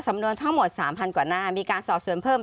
สำนวนทั้งหมด๓๐๐กว่าหน้ามีการสอบส่วนเพิ่ม